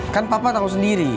kan papa tahu sendiri